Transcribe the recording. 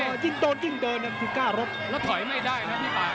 จึงโดนยิ่งเดินก็คือกล้าลบแล้วถอยไม่ได้แล้วทิศรีป่าว